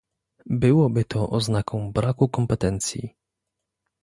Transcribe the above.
Byłoby to oznaką braku kompetencji